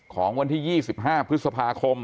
ของวันที่๒๕พฤษภาคม